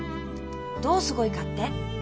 どうすごいかって？」。